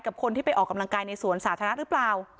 คนที่ไปออกกำลังกายในสวนสาธารณะหรือเปล่า